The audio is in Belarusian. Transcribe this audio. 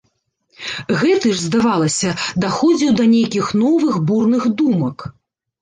Гэты ж, здавалася, даходзіў да нейкіх новых бурных думак.